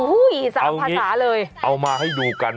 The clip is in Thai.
สามภาษาเลยเอามาให้ดูกัน